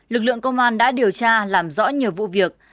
lực lượng công an đã điều tra làm rõ nhiều vụ việc